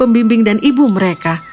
pembimbing dan ibu mereka